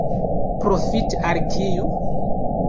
Profite al kiu?